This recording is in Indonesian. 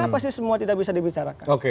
apa sih semua tidak bisa dibicarakan